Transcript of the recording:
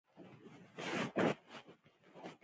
د غزني په ده یک کې د اوسپنې نښې شته.